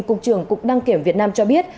cục trưởng cục đăng kiểm việt nam cho biết